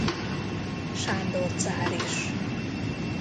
Sándor cár is.